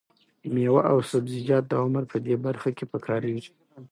مېوه او سبزیجات د عمر په دې برخه کې پکارېږي.